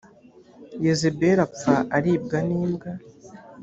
yezebeli apfa aribwa n’imbwa